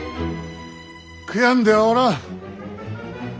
悔やんではおらん。